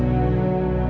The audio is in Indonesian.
gue mau pergi ke rumah